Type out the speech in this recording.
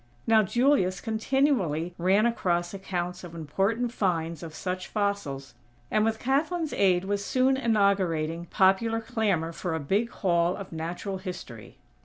Now Julius continually ran across accounts of important "finds" of such fossils, and with Kathlyn's aid was soon inaugurating popular clamor for a big Hall of Natural History.